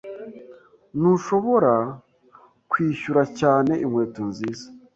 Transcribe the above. Ntushobora kwishyura cyane inkweto nziza.